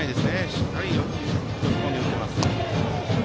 しっかり呼び込んで打っています。